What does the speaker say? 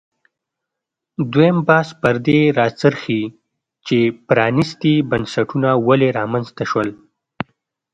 دویم بحث پر دې راڅرخي چې پرانیستي بنسټونه ولې رامنځته شول.